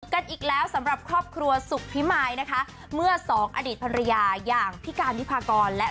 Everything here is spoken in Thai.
อีกแล้วสำหรับครอบครัวสุขพิมายนะคะเมื่อสองอดีตภรรยาอย่างพี่การวิพากรและ